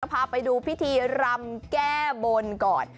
พาไปดูพิธีรำแก้บนก่อน